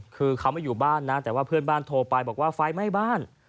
คือเขาไม่อยู่บ้านนะแต่ว่าเพื่อนบ้านโทรไปบอกว่าไฟไหม้บ้าน